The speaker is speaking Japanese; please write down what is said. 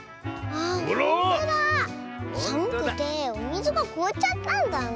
あら⁉さむくておみずがこおっちゃったんだね。